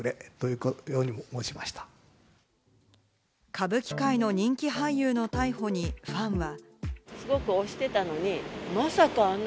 歌舞伎界の人気俳優の逮捕にファンは。